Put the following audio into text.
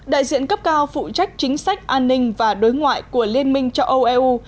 đại diện cấp cao phụ trách chính sách an ninh và đối ngoại của liên minh châu âu eu